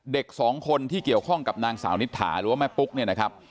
เด็กสองคนที่เกี่ยวข้องกับนางสาวนิตถาหรือแม่ปุ๊ก